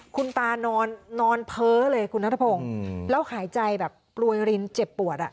คุณตานอนเพ้อเลยคุณนัทพงศ์แล้วหายใจแบบโปรยรินเจ็บปวดอ่ะ